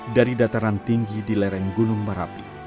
dari dataran tinggi di lereng gunung merapi